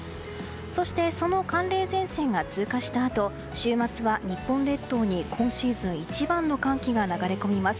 そして寒冷前線が通過したあと週末は日本列島に今シーズン一番の寒気が流れ込みます。